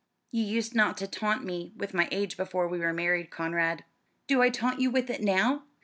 "You used not to taunt me with my age before we were married, Conrad." "Do I taunt you with it now?